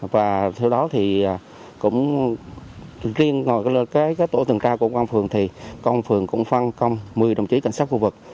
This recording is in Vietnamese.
và theo đó thì cũng riêng ngồi cái tổ tuần tra của công an phường thì công phường cũng phân công một mươi đồng chí cảnh sát khu vực